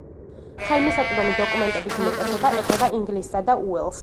ხელმისაწვდომი დოკუმენტების უმეტესობა ეხება ინგლისსა და უელსს.